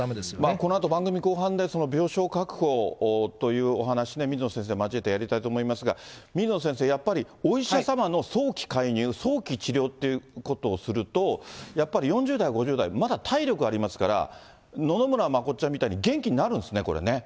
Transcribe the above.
このあと番組後半で病床確保というお話、水野先生交えてやりたいと思いますが、水野先生、やっぱりお医者様の早期介入、早期治療っていうことをすると、やっぱり４０代、５０代、まだ体力ありますから、野々村まこっちゃんみたいに元気になるんですね、これね。